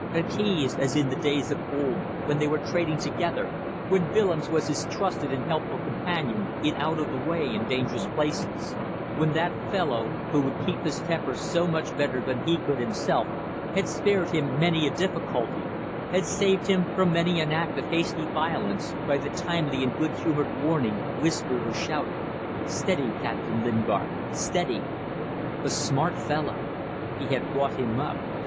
Appeased as in days of old, when they were trading together, when Willems was his trusted and helpful companion in out of the way and dangerous places; when that fellow, who could keep his temper so much better than he could himself, had spared him many a difficulty, had saved him from many an act of hasty violence by the timely and good humoured warning, whispered or shouted, "Steady, Captain Lingard, steady." A smart fellow. He had brought him up.